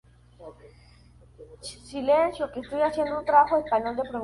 En algunas áreas hay emanaciones de aguas termales.